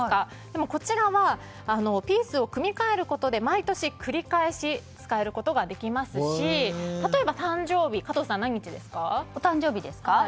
でもこちらはピースを組み替えることで毎年繰り返し使うことができますし例えば誕生日加藤さん、何日ですか？